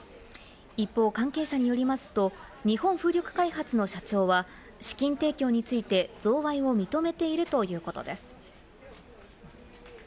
一方、関係者によりますと、日本風力開発の社長は資金提供について、贈賄を認めているということです。